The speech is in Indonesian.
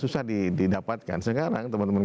susah didapatkan sekarang teman teman